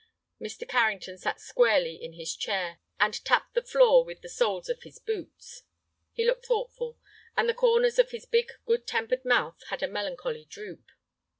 Mr. Carrington sat squarely in his chair, and tapped the floor with the soles of his boots. He looked thoughtful, and the corners of his big, good tempered mouth had a melancholy droop.